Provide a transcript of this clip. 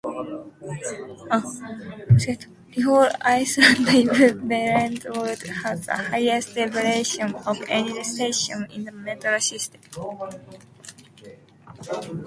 Rhode Island Ave-Brentwood has the highest elevation of any station in the Metro system.